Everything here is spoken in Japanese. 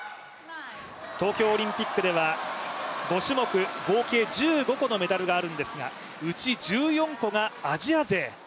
東京オリンピックでは５種目合計１５個のメダルがあるんですがうち１４個がアジア勢。